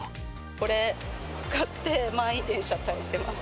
これ使って、満員電車耐えています。